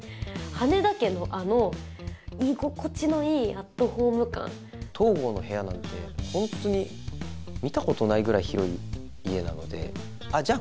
羽田家のあの居心地のいいアットホーム感東郷の部屋なんてホントに見たことないぐらい広い家なのでじゃあ